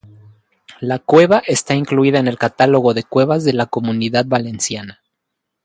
La cueva está incluida en el Catálogo de Cuevas de la Comunidad Valenciana.